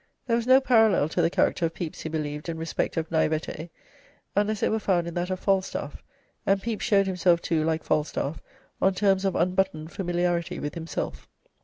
There was no parallel to the character of Pepys, he believed, in respect of 'naivete', unless it were found in that of Falstaff, and Pepys showed himself, too, like Falstaff, on terms of unbuttoned familiarity with himself.